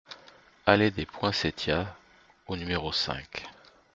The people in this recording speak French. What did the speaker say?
Allée des Poinsettias au numéro cinq